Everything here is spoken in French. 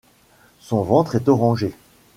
Son ventre est orangé.